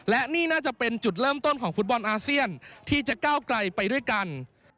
และนี่น่าจะเป็นจุดเริ่มต้นของฟุตบอลอาเซียนที่จะก้าวไกลไปด้วยกัน